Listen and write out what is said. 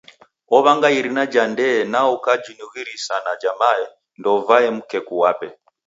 Ow'anga irina ja ndee nao ukanughisira na ja mae. Ndouvaye mkeku wape.